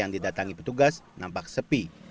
yang didatangi petugas nampak sepi